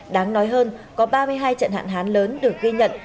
đáng nói hơn có ba mươi hai trận hạn hán lớn được ghi nhận